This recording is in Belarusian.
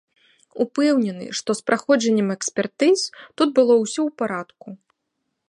Упэўнены, што з праходжаннем экспертыз тут было ўсё ў парадку.